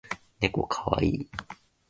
ねこかわいい